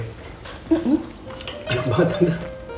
enak banget tante